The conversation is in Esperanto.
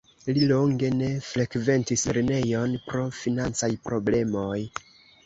Li longe ne frekventis lernejon pro financaj problemoj.